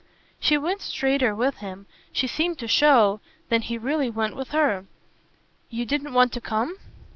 She went straighter with him, she seemed to show, than he really went with her. "You didn't want to come?"